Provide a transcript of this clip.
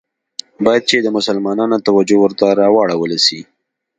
باید چي د مسلمانانو توجه ورته راوړوله سي.